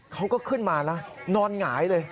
เขาก็ขึ้นมาแล้วนอนหงายเลย